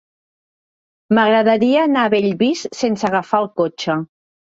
M'agradaria anar a Bellvís sense agafar el cotxe.